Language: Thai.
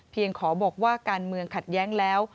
ขอบอกว่าการเมืองขัดแย้งแล้ว